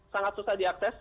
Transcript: sangat susah diakses